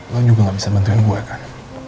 lo juga gak bisa bantuin gue kan